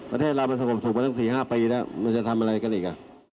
ประเทศเรามันสงบสุขมาตั้ง๔๕ปีแล้วมันจะทำอะไรกันอีก